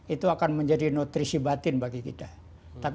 itu akan menjadi nutrisi batin bagi kita